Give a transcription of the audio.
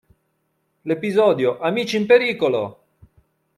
L'episodio "Amici in pericolo!